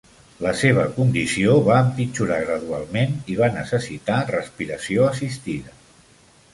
La seva condició va empitjorar gradualment i va necessitar respiració assistida.